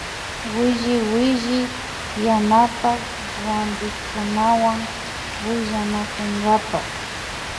Williwilli yanapan rantiriakkunawan willanakunkapa